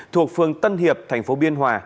thuộc phường tân hiệp thành phố biên hòa